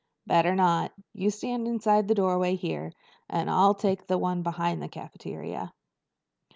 "Better not. You stand inside this doorway here, and I'll take the one beyond the cafeteria."